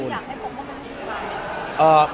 คุณอยากให้พวกมันทำอะไร